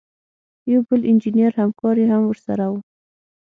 یو بل انجینر همکار یې هم ورسره و.